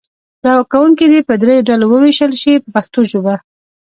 زده کوونکي دې په دریو ډلو وویشل شي په پښتو ژبه.